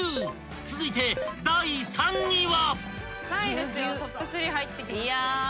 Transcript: ［続いて第３位は］